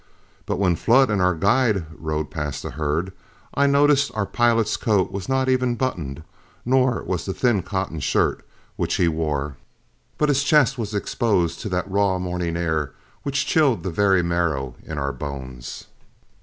But when Flood and our guide rode past the herd, I noticed our pilot's coat was not even buttoned, nor was the thin cotton shirt which he wore, but his chest was exposed to that raw morning air which chilled the very marrow in our bones.